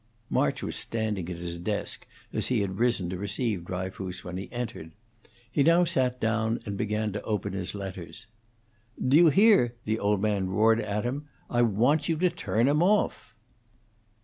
March was standing at his desk, as he had risen to receive Dryfoos when he entered. He now sat down, and began to open his letters. "Do you hear?" the old man roared at him. "I want you to turn him off."